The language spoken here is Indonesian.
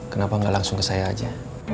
kenapa nggak langsung ke saya aja